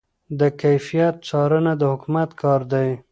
د کیفیت څارنه د حکومت کار دی.